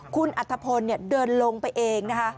คุณอัธพลเดินลงไปเองนะคะ